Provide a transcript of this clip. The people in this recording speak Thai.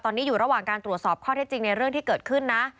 ตอนนี้อยู่ระหว่างการตรวจสอบข้อเท็จจริงในเรื่องที่เกิดขึ้นนะ